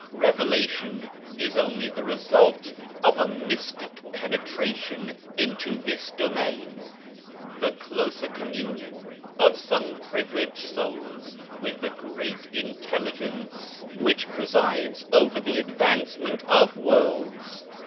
Revelation is only the result of a mystic penetration into this domain, the closer communion of some privileged souls with the Great Intelligence which presides over 32 BAHAISM the advancement of worlds.